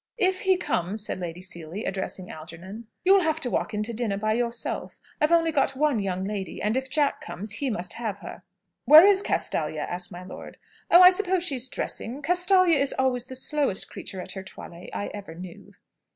"If he comes," said Lady Seely, addressing Algernon, "you'll have to walk into dinner by yourself. I've only got one young lady; and, if Jack comes, he must have her." "Where is Castalia?" asked my lord. "Oh, I suppose she's dressing. Castalia is always the slowest creature at her toilet I ever knew."